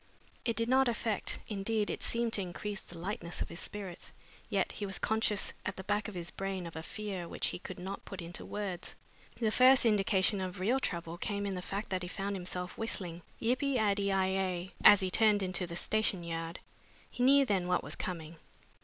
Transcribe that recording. It did not affect indeed, it seemed to increase the lightness of his spirits, yet he was conscious at the back of his brain of a fear which he could not put into words. The first indication of real trouble came in the fact that he found himself whistling "Yip i addy i ay" as he turned into the station yard. He knew then what was coming.